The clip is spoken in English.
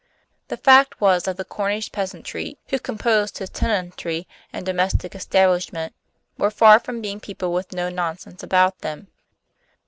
The fact was that the Cornish peasantry, who composed his tenantry and domestic establishment, were far from being people with no nonsense about them.